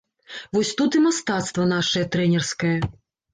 Вось тут і мастацтва нашае трэнерскае.